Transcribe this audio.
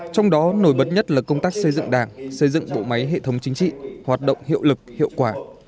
trong đó nổi bật nhất là công tác xây dựng đảng xây dựng bộ máy hệ thống chính trị hoạt động hiệu lực hiệu quả